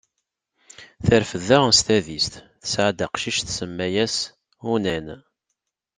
Terfed daɣen s tadist, tesɛa-d aqcic, tsemma-as Unan.